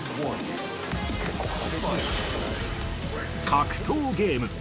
格闘ゲーム。